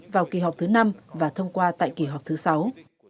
vào kỳ họp thứ năm và thông qua tại kỳ họp thứ sáu